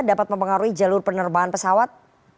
dapat mempengaruhi jalur penerbangan pesawat